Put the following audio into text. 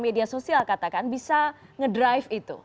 media sosial katakan bisa ngedrive itu